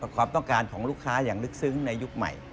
ความต้องการของลูกค้าอย่างลึกซึ้งในยุคใหม่